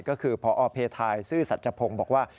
ก็คือพอเพทายซื่อสัจพงศ์บอกว่า